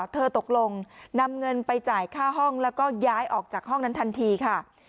เธอตกลงนำเงินไปจ่ายค่าห้องแล้วก็ย้ายออกจากห้องนั้นทันทีค่ะ